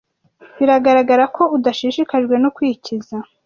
Biragaragara ko udashishikajwe no kwikiza.